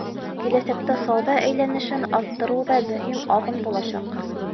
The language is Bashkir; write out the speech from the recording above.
Киләсәктә сауҙа әйләнешен арттырыу ҙа мөһим аҙым буласаҡ.